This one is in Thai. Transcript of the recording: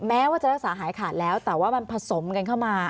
แม้ว่าจะรักษาหายขาดแล้วแต่ว่ามันผสมกันเข้ามา